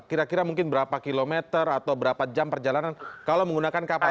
kira kira mungkin berapa kilometer atau berapa jam perjalanan kalau menggunakan kapal